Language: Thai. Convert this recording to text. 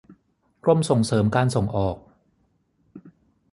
กรมส่งเสริมการส่งออก